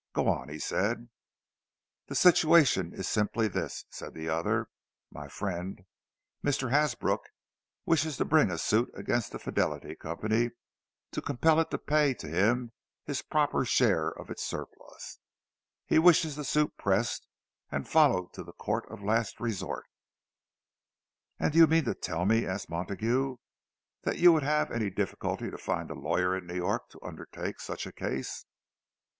"Go on," he said. "The situation is simply this," said the other. "My friend, Mr. Hasbrook, wishes to bring a suit against the Fidelity Company to compel it to pay to him his proper share of its surplus. He wishes the suit pressed, and followed to the court of last resort." "And do you mean to tell me," asked Montague, "that you would have any difficulty to find a lawyer in New York to undertake such a case?"